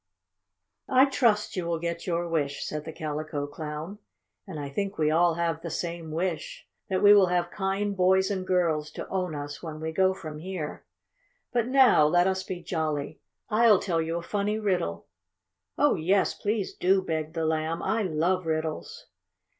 "I trust you will get your wish," said the Calico Clown. "And I think we all have the same wish that we will have kind boys and girls to own us when we go from here. But now let us be jolly. I'll tell you a funny riddle." "Oh, yes, please do!" begged the Lamb. "I love riddles!"